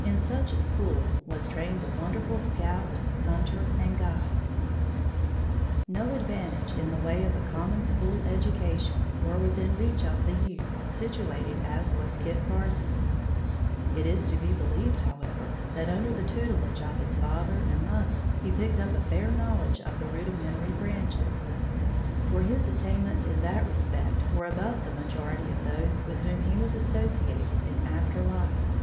In such a school was trained the wonderful scout, hunter and guide. No advantages in the way of a common school education were within reach of the youth situated as was Kit Carson. It is to be believed, however, that under the tutelage of his father and mother, he picked up a fair knowledge of the rudimentary branches, for his attainments in that respect were above the majority of those with whom he was associated in after life.